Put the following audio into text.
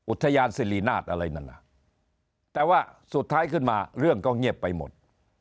อุทยานสิรินาทอะไรนั่นน่ะแต่ว่าสุดท้ายขึ้นมาเรื่องก็เงียบไปหมด